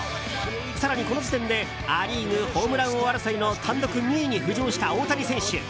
更にこの時点でア・リーグ、ホームラン王争いの単独２位に浮上した大谷選手。